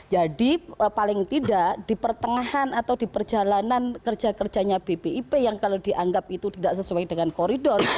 jadi paling tidak di pertengahan atau di perjalanan kerja kerjanya bpip yang kalau dianggap itu tidak sesuai dengan koridor